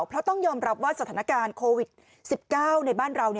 เพราะต้องยอมรับว่าสถานการณ์โควิด๑๙ในบ้านเรา